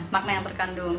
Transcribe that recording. makna yang terkandung